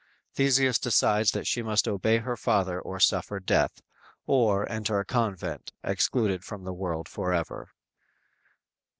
Theseus decides that she must obey her father or suffer death, or enter a convent, excluded from the world forever.